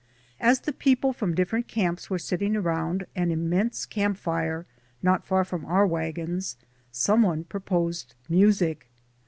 As the people from different camps were sitting around an immense camp fire, not far from our wagons, someone proposed music.